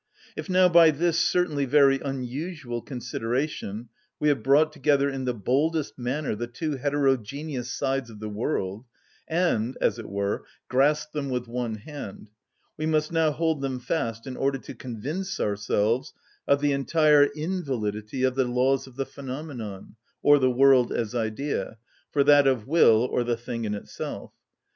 If now by this certainly very unusual consideration, we have brought together in the boldest manner the two heterogeneous sides of the world, and, as it were, grasped them with one hand, we must now hold them fast in order to convince ourselves of the entire invalidity of the laws of the phenomenon, or the world as idea, for that of will, or the thing in itself.